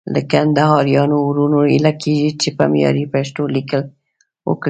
له کندهاريانو وروڼو هيله کېږي چې په معياري پښتو ليکل وکړي.